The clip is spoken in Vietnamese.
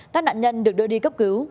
các nạn nhân được đưa đi cấp cứu